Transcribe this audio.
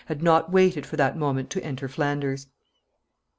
had not waited for that moment to enter Flanders.